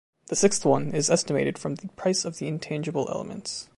The sixth one is estimated from the price of the intangible elements.